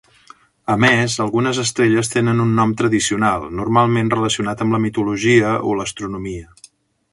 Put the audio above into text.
A més algunes estrelles tenen un nom tradicional, normalment relacionat amb la mitologia o l'astronomia.